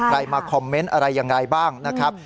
ใครมาคอมเมนต์อะไรยังไงบ้างนะครับ